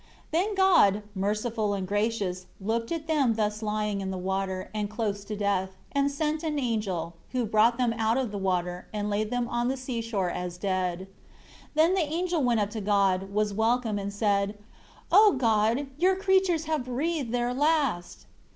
1 Then God, merciful and gracious, looked at them thus lying in the water, and close to death, and sent an angel, who brought them out of the water, and laid them on the seashore as dead. 2 Then the angel went up to God, was welcome, and said, "O God, Your creatures have breathed their last."